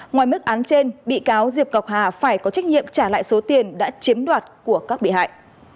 ngoài mức án trên bị cáo diệp ngọc hà phải có trách nhiệm trả lại số tiền đã chiếm đoạt của các bị hại